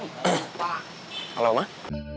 bukan gue doang